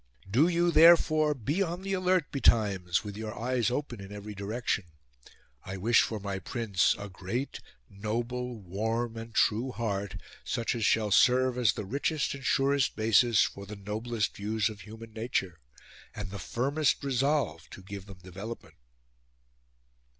Do you, therefore, be on the alert be times, with your eyes open in every direction... I wish for my Prince a great, noble, warm, and true heart, such as shall serve as the richest and surest basis for the noblest views of human nature, and the firmest resolve to give them development."